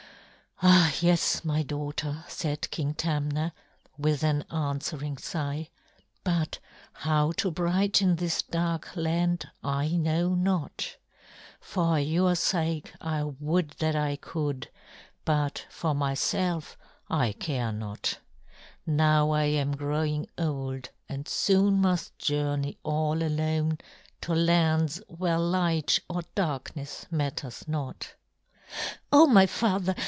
"Ah, yes, my daughter," said King Tamna, with an answering sigh, "but how to brighten this dark land I know not. For your sake I would that I could; but for myself, I care not. Now I am growing old and soon must journey all alone to lands where light or darkness matters not." "Oh, my father!